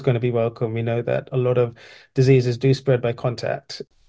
kita tahu bahwa banyak penyakit tersebut terkumpul oleh kontak